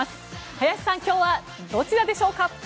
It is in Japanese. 林さん、今日はどちらでしょうか？